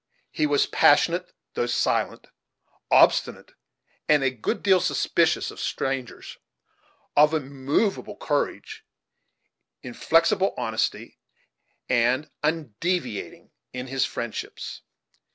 He was passionate though silent, obstinate, and a good deal suspicious of strangers; of immovable courage, in flexible honesty, and undeviating in his friendships.